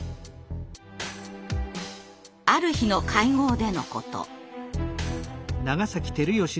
ある日の会合でのこと。